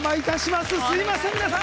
すみません、皆さん！